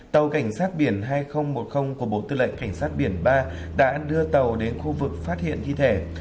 tàu cảnh sát biển hai nghìn một mươi của bộ tư lệnh cảnh sát biển ba đã đưa tàu đến khu vực phát hiện thi thể